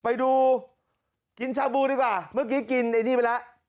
ไปดูกินชาบูดีกว่าเมื่อกี้กินไอ้นี่ไปแล้ว